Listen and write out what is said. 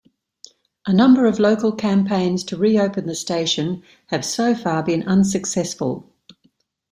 A number of local campaigns to re-open the station have so far been unsuccessful.